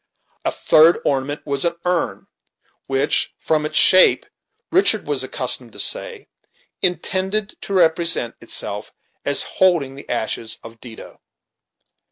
A third ornament was an urn, which; from its shape, Richard was accustomed to say, intended to represent itself as holding the ashes of Dido.